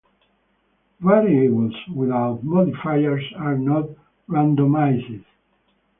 Variables without modifiers are not randomized.